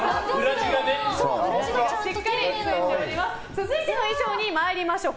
続いての衣装に参りましょう。